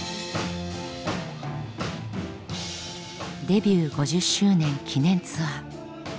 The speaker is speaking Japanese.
デビュー５０周年記念ツアー。